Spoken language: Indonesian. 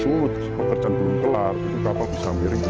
salah satu contoh kebakaran di kamar mesin